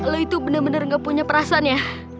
lo itu bener bener gak punya perasaan ya